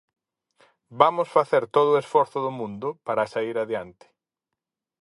Vamos facer todo o esforzo do mundo para saír adiante.